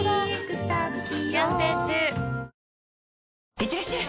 いってらっしゃい！